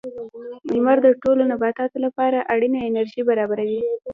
• لمر د ټولو نباتاتو لپاره اړینه انرژي برابروي.